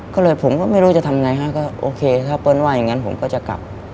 ก็เลยผมก็ไม่รู้จะทำไงฮะก็โอเคถ้าเปิ้ลว่าอย่างนั้นผมก็จะกลับ